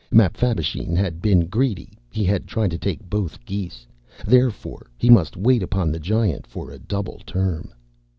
Mapfabvisheen had been greedy; he had tried to take both geese. Therefore, he must wait upon the Giant for a double term.